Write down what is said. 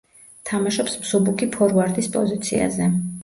თამაშობს მსუბუქი ფორვარდის პოზიციაზე.